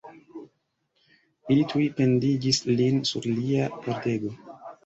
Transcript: Ili tuj pendigis lin sur lia pordego.